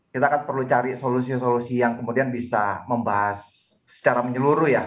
kita kan perlu cari solusi solusi yang kemudian bisa membahas secara menyeluruh ya